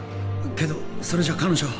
けどそれじゃ彼女は